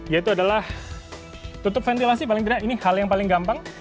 yaitu adalah tutup ventilasi paling tidak ini hal yang paling gampang